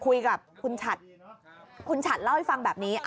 คุยกับคุณฉัดคุณฉัดเล่าให้ฟังแบบนี้